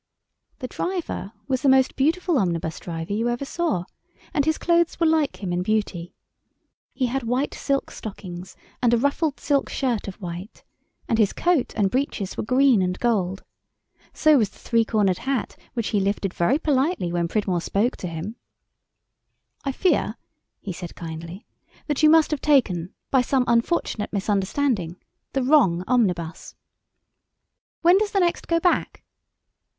The driver was the most beautiful omnibus driver you ever saw, and his clothes were like him in beauty. He had white silk stockings and a ruffled silk shirt of white, and his coat and breeches were green and gold. So was the three cornered hat which he lifted very politely when Pridmore spoke to him. [Illustration: HE WAVED AWAY THE EIGHTPENCE.] "I fear," he said kindly, "that you must have taken, by some unfortunate misunderstanding, the wrong omnibus." "When does the next go back?"